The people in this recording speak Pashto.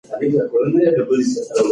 د جګړې ډګر د خټو او وینو ډک و.